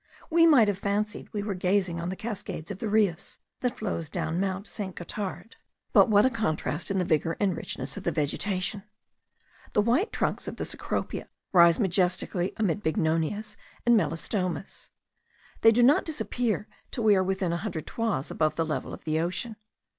We might have fancied we were gazing on the cascades of the Reuss, that flows down Mount St. Gothard; but what a contrast in the vigour and richness of the vegetation! The white trunks of the cecropia rise majestically amid bignonias and melastomas. They do not disappear till we are within a hundred toises above the level of the ocean.